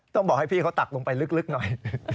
ต้องบอกให้พี่เขาตักลงไปลึกหน่อย